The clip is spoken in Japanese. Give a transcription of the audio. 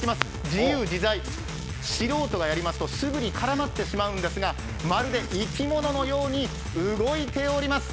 自由自在、素人がやりますとすぐに絡まってしまうんですが、まるで生き物のよヴち動いております。